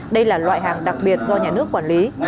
đây là loại hàng đặc biệt do nhà nước quản lý